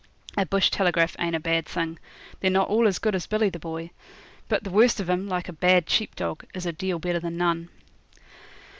A bush telegraph ain't a bad thing. They're not all as good as Billy the Boy. But the worst of 'em, like a bad sheep dog, is a deal better than none.